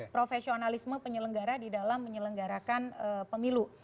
profesionalisme penyelenggara di dalam menyelenggarakan pemilu